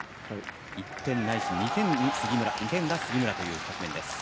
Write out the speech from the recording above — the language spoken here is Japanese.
１点、ないし２点が杉村という局面です。